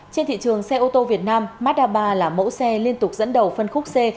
trên thị trường xe ô tô việt nam mazda ba là mẫu xe liên tục dẫn đầu phân khúc c